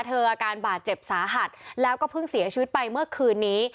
อาการบาดเจ็บสาหัสแล้วก็เพิ่งเสียชีวิตไปเมื่อคืนนี้